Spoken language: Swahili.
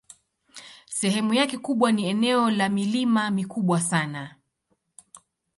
Sehemu yake kubwa ni eneo la milima mikubwa sana.